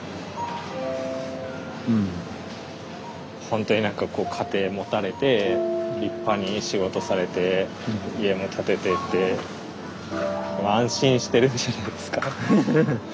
ほんとに何かこう家庭持たれて立派に仕事されて家も建ててって安心してるんじゃないですか？